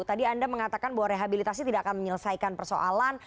tadi anda mengatakan bahwa rehabilitasi tidak akan menyelesaikan persoalan